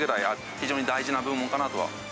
非常に大事な部門かなとは。